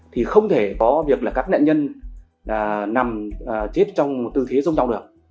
thì không thể có việc là các nạn nhân nằm chết trong một tư thế giống nhau được